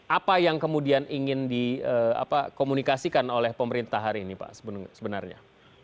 apa yang kemudian ingin dikomunikasikan oleh pemerintah hari ini pak sebenarnya